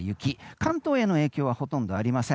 関東への影響はほとんどありません。